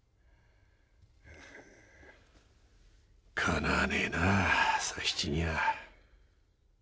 かなわねえな佐七には。